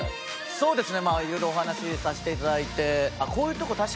そうですね。